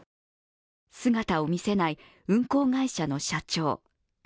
姿を見せない、運航会社の社長。